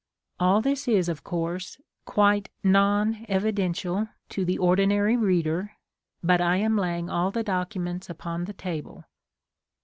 All this is, of course, quite non evidential to the ordinary reader, but I am laying all the dociunents upon the table.